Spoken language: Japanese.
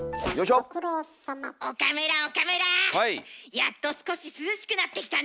やっと少し涼しくなってきたね。